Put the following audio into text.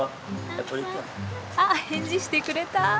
あっ返事してくれた。